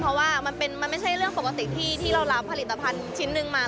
เพราะว่ามันไม่ใช่เรื่องปกติที่เรารับผลิตภัณฑ์ชิ้นหนึ่งมา